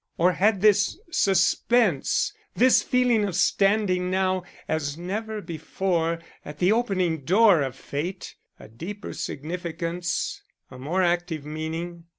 Or had this suspense, this feeling of standing now, as never before, at the opening door of fate, a deeper significance, a more active meaning?